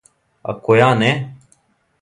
А која не?